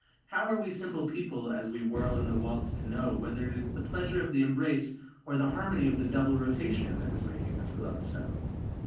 How are we simple people as we whirl in the waltz to know whether it is the pleasure of the embrace or the harmony of the double rotation that is making us glow so?